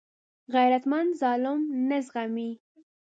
غیرتمند ظلم نه زغمي